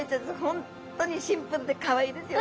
本当にシンプルでかわいいですよね。